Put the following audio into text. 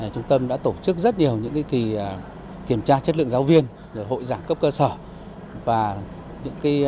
trung tâm đã tổ chức rất nhiều những kỳ kiểm tra chất lượng giáo viên hội giảng cấp cơ sở và những